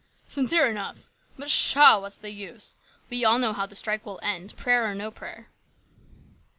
"Sincere enough. But pshaw! What's the use? We all know how the strike will end, prayer or no prayer."